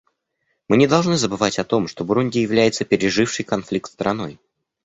Мы не должны забывать о том, что Бурунди является пережившей конфликт страной.